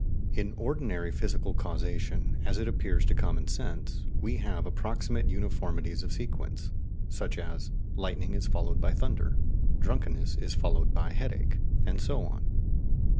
In ordinary physical causation, as it appears to common sense, we have approximate uniformities of sequence, such as "lightning is followed by thunder," "drunkenness is followed by headache," and so on.